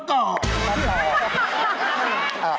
ก็นั่นแหละ